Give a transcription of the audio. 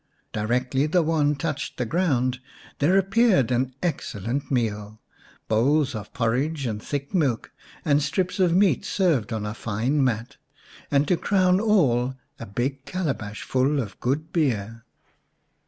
Directly the wand touched the ground there appeared an excellent meal, bowls of porridge and thick milk, and strips of meat served on a fine mat, and to crown all a big calabash full of good beer.